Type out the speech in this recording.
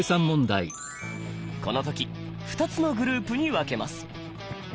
この時２つのグループに分けます。